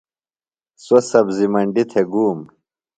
سوۡ سبزیۡ منڈیۡ تھےۡ گُوم۔